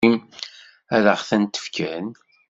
Ad ɣ-tent-fken?